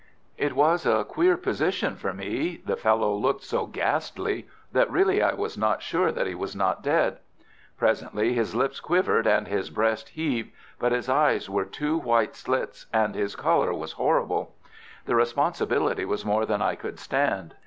It was a queer position for me. The fellow looked so ghastly, that really I was not sure that he was not dead. Presently his lips quivered and his breast heaved, but his eyes were two white slits and his colour was horrible. The responsibility was more than I could stand.